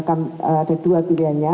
ada dua pilihannya